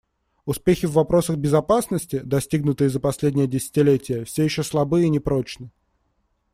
Успехи в вопросах безопасности, достигнутые за последнее десятилетие, все еще слабы и непрочны.